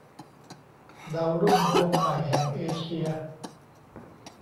ดาวรุ่งดวงใหม่แห่งเอเชีย